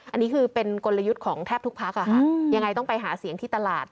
อันนี้คือเป็นกลยุทธ์ของแทบทุกพักยังไงต้องไปหาเสียงที่ตลาด